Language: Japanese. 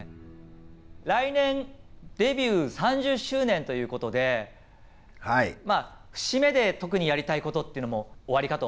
来年デビュー３０周年ということで節目で特にやりたいことっていうのもおありかと思うんですけど。